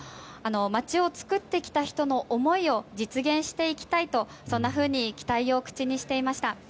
街を作ってきた人の思いを実現していきたいと期待を口にしていました。